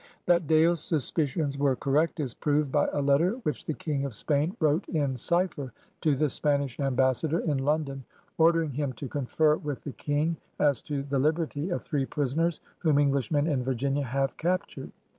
That Dale's suspicions were correct, is proved by a letter which the King of Spain wrote in cipher to the Spanish Ambassador in London order ing him to confer with the King as to the liberty of three prisoners whom Englishmen in Virginia have captured.